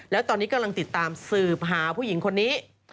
แล้วตอนนี้กำลังติดตามสืบหาผู้หญิงคนนี้